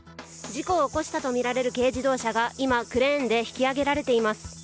事故を起こしたとみられる軽自動車が今、クレーンで引き上げられています。